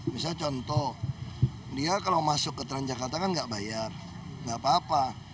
misalnya contoh dia kalau masuk ke transjakarta kan nggak bayar nggak apa apa